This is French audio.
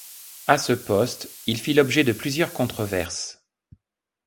À ce poste, il fit l'objet de plusieurs controverses.